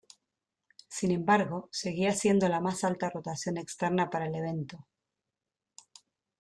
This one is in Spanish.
Sin embargo, seguía siendo la más alta rotación externa para el evento.